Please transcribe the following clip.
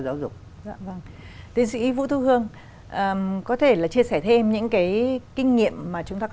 giáo dục dạ vâng tiến sĩ vũ thu hương có thể là chia sẻ thêm những cái kinh nghiệm mà chúng ta có